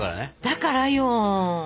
だからよ。